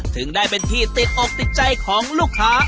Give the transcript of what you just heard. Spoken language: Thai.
ถึงได้เป็นที่ติดอกติดใจของลูกค้า